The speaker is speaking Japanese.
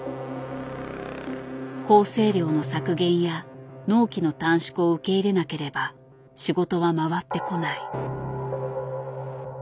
校正料の削減や納期の短縮を受け入れなければ仕事は回ってこない。